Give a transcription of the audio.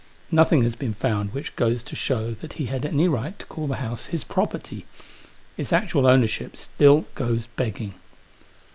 Nothing has been found which goes to show that he had any right to call the house his property. Its actual ownership still goes begging.